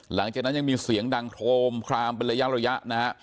หลังจากนั้นยังมีเสียงดังโครมคลามเป็นระยะนะฮะ